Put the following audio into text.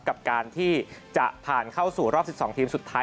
กับการที่จะผ่านเข้าสู่รอบ๑๒ทีมสุดท้าย